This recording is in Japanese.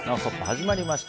始まりました。